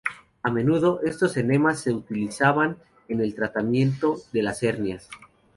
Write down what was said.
A menudo, estos enemas se utilizaban en el tratamiento de las hernias.